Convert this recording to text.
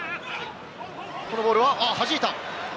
このボールは弾いた。